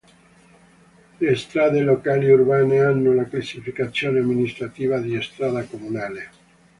Le "strade locali urbane" hanno la classificazione amministrativa di strada comunale.